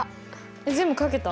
えっ全部書けた？